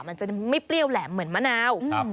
มันจะไม่เปรี้ยวแหลมเหมือนมะนาว